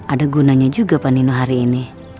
ada gunanya juga pak nino hari ini